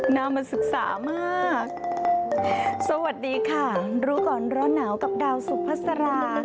น้ำมันศึกษามากสวัสดีค่ะรู้ก่อนร้อนหนาวกับดาวสุภาษารา